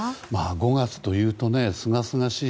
５月というとすがすがしい